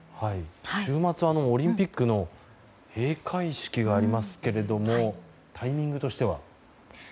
週末、オリンピックの閉会式がありますけれどもタイミングとしては？